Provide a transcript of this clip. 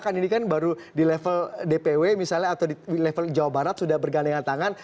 kan ini kan baru di level dpw misalnya atau di level jawa barat sudah bergandingan tangan